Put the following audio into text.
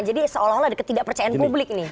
jadi seolah olah ada ketidak percayaan publik